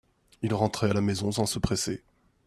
il rentrait à la maison sans se presser.